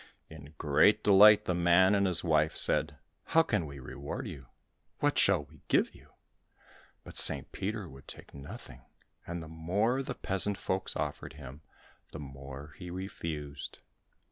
In great delight the man and his wife said, "How can we reward you? What shall we give you?" But St. Peter would take nothing, and the more the peasant folks offered him, the more he refused.